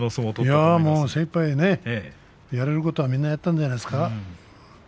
いや、精いっぱいやれることはみんなやったんじゃないですか。